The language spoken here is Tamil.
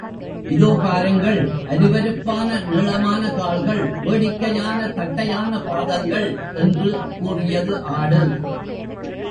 இதோ பாருங்கள், அருவருப்பான, நீளமான கால்கள், வேடிக்கையான தட்டையான பாதங்கள்? என்று கூறியது ஆடு.